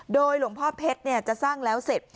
โดยหลวงพ่อเพชรจะสร้างแล้วเสร็จ